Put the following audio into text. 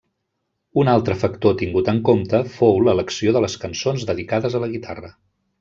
Un altre factor tingut en compte fou l'elecció de les cançons dedicades a la guitarra.